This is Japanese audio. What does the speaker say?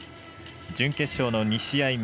準決勝の２試合目。